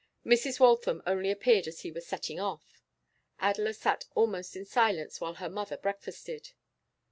Mrs. Waltham only appeared as he was setting off. Adela sat almost in silence whilst her mother breakfasted.